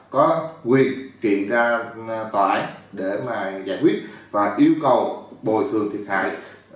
có quyền trị ra tòa án để mà giải quyết và yêu cầu bồi thường thiệt hại